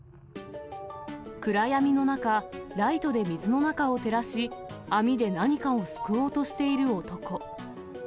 暗闇の中、ライトで水の中を照らし、網で何かをすくおうとしている男。